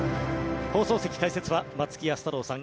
放送席解説は松木安太郎さん